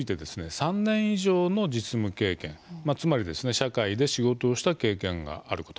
３年以上の実務経験つまり社会で仕事をした経験があること。